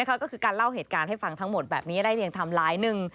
ก็คือการเล่าเหตุการณ์ให้ฟังทั้งหมดแบบนี้ได้เรียงไทม์ไลน์หนึ่ง